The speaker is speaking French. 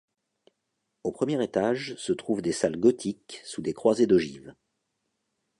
Au premier étage, se trouvent des salles gothiques sous des croisées d'ogives.